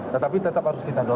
tetapi tetap harus kita dorong